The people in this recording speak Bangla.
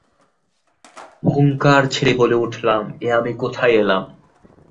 হুংকার ছেড়ে বলে উঠলাম " এ আমি কোথায় এলাম?"